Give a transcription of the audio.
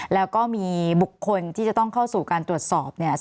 แล้วก็มีบุคคลที่จะต้องเข้าสู่การตรวจสอบเนี่ย